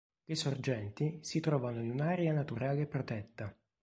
Le sorgenti si trovano in un'area naturale protetta.